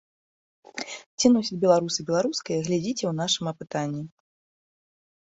Ці носяць беларусы беларускае, глядзіце ў нашым апытанні.